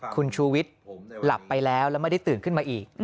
คุณชูวิทย์หลับไปแล้วแล้วไม่ได้ตื่นขึ้นมาอีก